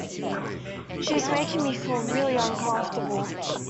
She’s making me feel really uncomfortable.